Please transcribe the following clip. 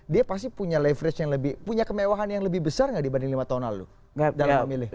dia pasti punya leverage yang lebih punya kemewahan yang lebih besar nggak dibanding lima tahun lalu dalam pemilih